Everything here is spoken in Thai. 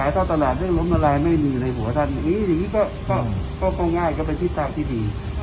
ท่านใน